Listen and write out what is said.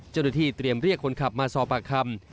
เจ้าหน้าที่เตรียมเรียกคนขับมาสอบปากคำ